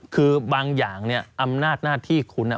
คือบางอย่างเนี่ยอำนาจหน้าที่คุณ